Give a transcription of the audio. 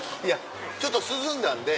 ちょっと涼んだんで。